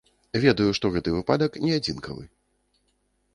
Ведаю, што і гэты выпадак не адзінкавы.